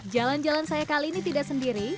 jalan jalan saya kali ini tidak sendiri